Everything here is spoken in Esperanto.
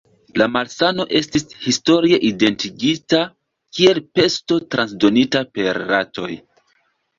La malsano estis historie identigita kiel pesto transdonita per ratoj.